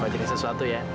mau jelit sesuatu ya